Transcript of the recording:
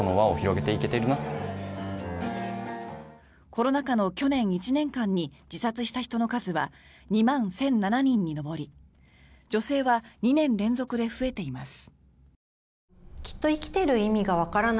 コロナ禍の去年１年間に自殺した人の数は２万１００７人に上り女性は２年連続で増えています。